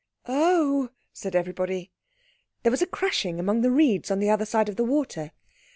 "Oh!" said everybody. There was a crashing among the reeds on the other side of the water.